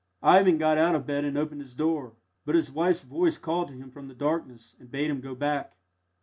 Ivan got out of bed and opened his door, but his wife's voice called to him from the darkness and bade him go back.